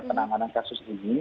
penanganan kasus ini